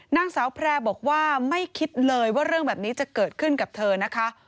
นางสาวแพร่บอกว่าไม่คิดเลยว่าเรื่องแบบนี้จะเกิดขึ้นกับเธอนะคะ